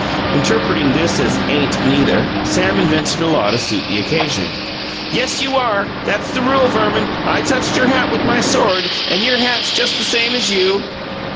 Interpreting this as "Ain't neither", Sam invented a law to suit the occasion. "Yes, you are; that's the rule, Verman. I touched your hat with my sword, and your hat's just the same as you."